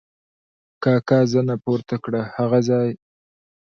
کاکا زنه پورته کړه: هغه ځای!